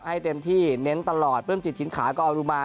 ให้เต็มที่เน้นตลอดพึ่งจิตถิ่นขาก็เอาลูมา